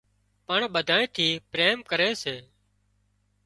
پڻ ٻڌانئين ٿي پريم ڪري سي